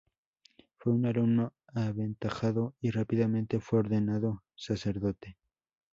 Fue un alumno aventajado y rápidamente fue ordenado sacerdote.